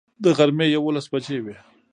د غرمې یوولس بجې وې.